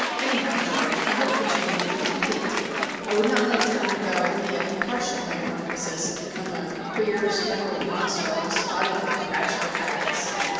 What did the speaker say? Anyhow, George, I hope the change will be complete. I would not like to undergo only a partial metamorphosis, and become a queer speckled monster all spotted with bachelor habits.